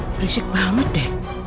berisik banget deh